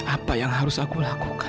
apa yang harus aku lakukan